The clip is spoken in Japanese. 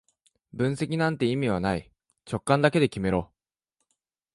分析なんて意味はない、直感だけで決めろ